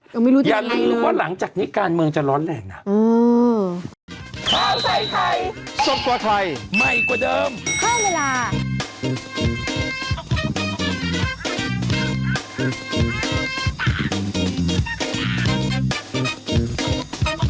ยังไม่รู้ว่าหลังจากนี้การเมืองจะร้อนแหล่งนะ